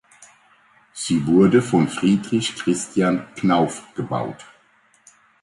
Sie wurde von Friedrich Christian Knauf gebaut.